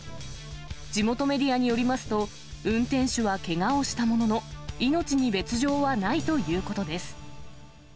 地元メディアによりますと、運転手はけがをしたものの、命に別状はないということです。